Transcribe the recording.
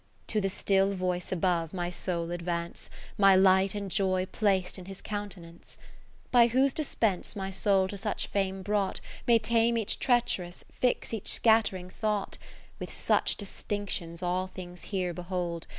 To the Still Voice above, my soul advance ; My light and joy plac'd in his countenance? By whose dispense my soul to such frame brought, May tame each treach'rous, fix each scatt'ring thought ; With such distinctions all things here behold.